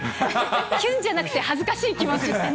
キュンじゃなくて、恥ずかしい気持ちってね。